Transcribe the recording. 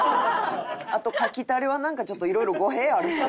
あと牡蠣タレはなんかちょっといろいろ語弊あるし。